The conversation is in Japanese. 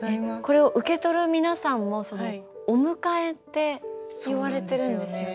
これを受け取る皆さんも「お迎え」って言われてるんですよね。